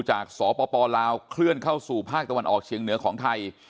สปลาวเคลื่อนเข้าสู่ภาคตะวันออกเชียงเหนือของไทย